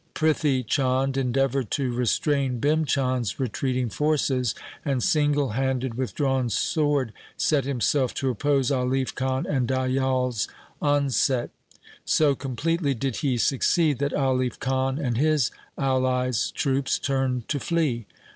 Prithi Chand endeavoured to restrain Bhim Chand' s retreating forces, and single handed, with drawn sword, set himself to oppose Alif Khan and Dayal's onset. So completely did he succeed that Alif Khan and his allies' troops turned to flee.